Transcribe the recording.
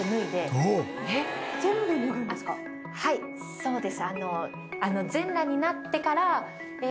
そうです。